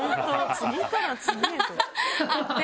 次から次へと。